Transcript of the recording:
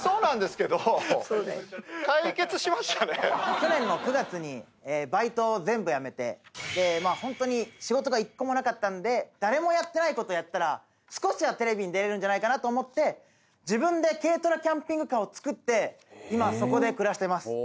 去年の９月にバイトを全部辞めてホントに仕事が１個もなかったんで誰もやってないことやったら少しはテレビに出れるんじゃないかなと思って自分で軽トラキャンピングカーを造って今そこで暮らしてます。